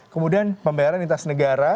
kemudian pembayaran di tas negara